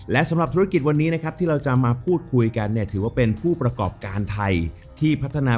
และสำหรับธุรกิจวันนี้นะครับที่เราจะมาพูดคุยกันเนี่ยถือว่าเป็นผู้ประกอบการไทยที่พัฒนา